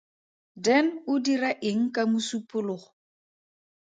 Dan o dira eng ka Mosupologo?